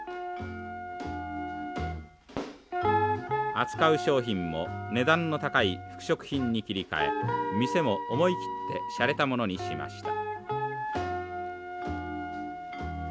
扱う商品も値段の高い服飾品に切り替え店も思い切ってしゃれたものにしました。